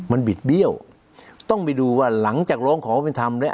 มันบิดเบี้ยวต้องไปดูว่าหลังจากร้องขอเป็นธรรมแล้ว